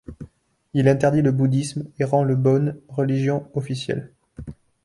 Il interdit le bouddhisme, et rend le bön religion officielle.